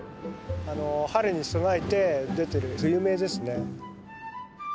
春に備えて出てる冬芽ですね。